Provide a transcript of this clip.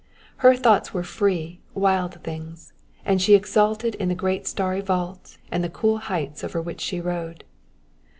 Her thoughts were free, wild things; and she exulted in the great starry vault and the cool heights over which she rode.